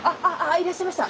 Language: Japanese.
いらっしゃいました！